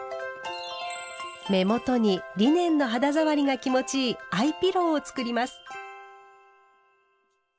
目元にリネンの肌触りが気持ちいい「アイピロー」を作ります。